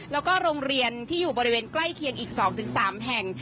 แล้วก็โรงเรียนที่อยู่บริเวณใกล้เคียงอีก๒๓แห่ง